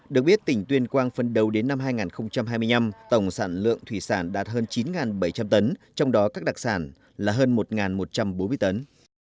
được biết tỉnh tuyên quang phân đầu đến năm hai nghìn hai mươi năm tổng sản lượng thủy sản đạt hơn chín bảy trăm linh tấn trong đó các đặc sản là hơn một một trăm bốn mươi tấn